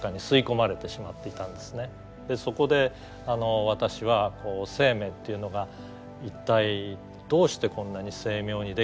そこで私は生命っていうのが一体どうしてこんなに精妙にできているんだろう。